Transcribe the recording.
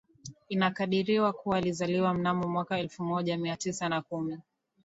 Inakadiriwa kua alizaliwa mnamo mwaka elfu moja mia tisa na kumi